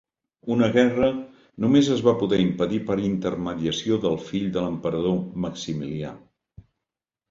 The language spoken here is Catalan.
Una guerra només es va poder impedir per intermediació del fill de l'emperador, Maximilià.